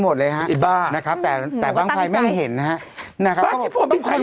หมดเลยฮะอีบ้านะครับแต่แต่บางใครไม่เห็นนะฮะนะครับพี่โพนพิสัย